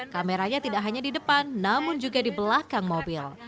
kameranya tidak hanya di depan namun juga di belakang mobil